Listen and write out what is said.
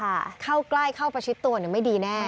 เปล่าเม้ายาอรวาสเนี่ยเข้าใกล้เข้าประชิตตั๋วอีกหนึ่งไม่ดีแน่